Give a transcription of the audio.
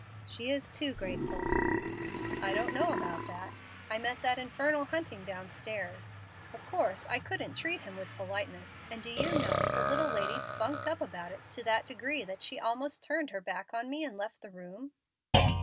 "She is too grateful." "I don't know about that. I met that infernal Hunting downstairs. Of course I couldn't treat him with politeness, and do you know the little lady spunked up about it to that degree that she almost turned her back upon me and left the room."